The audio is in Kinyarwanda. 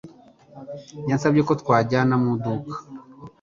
Yansabye ko twajyana mu iduka.